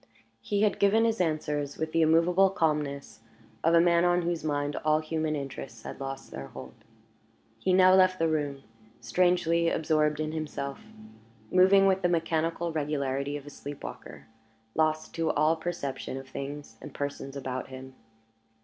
He had given his answers with the immovable calmness of a man on whose mind all human interests had lost their hold. He now left the room, strangely absorbed in himself; moving with the mechanical regularity of a sleep walker; lost to all perception of things and persons about him.